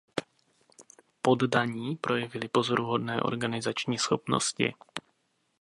Poddaní projevili pozoruhodné organizační schopnosti.